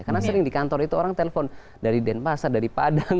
karena sering di kantor itu orang telpon dari denpasar dari padang